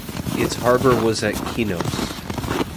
Its harbor was at Kynos.